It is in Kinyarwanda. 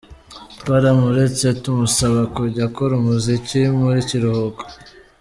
Twaramuretse tumusaba kujya akora umuziki mu kiruhuko.